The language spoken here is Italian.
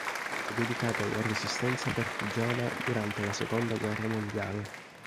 È dedicato alla Resistenza partigiana durante la seconda guerra mondiale.